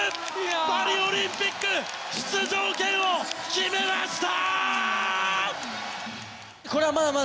パリオリンピック出場権を決めました！